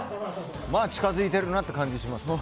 近づいてるなという感じがします。